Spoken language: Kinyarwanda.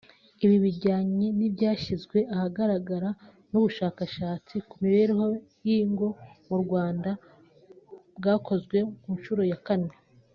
Ibi bijyanye n’ibyashyizwe ahagaragara n’ubushakashatsi ku mibereho y’ingo mu Rwanda bwakozwe ku nshuro ya kane